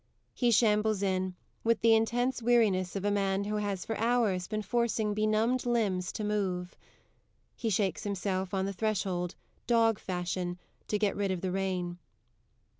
He shambles in, with the intense weariness of a man who has for hours been forcing benumbed limbs to move; he shakes himself, on the threshold, dog fashion, to get rid of the rain.